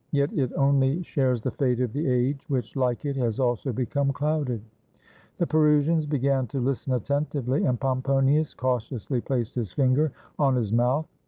Yet it only shares the fate of the age, which, like it, has also become clouded." The Perusians began to Hsten attentively, and Pomponius cautiously placed his finger on his mouth.